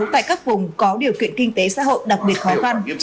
tại các vùng có điều kiện kinh tế xã hội đặc biệt khó khăn